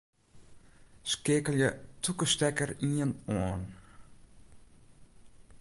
Skeakelje tûke stekker ien oan.